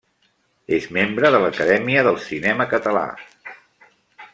És membre de l'Acadèmia del Cinema Català.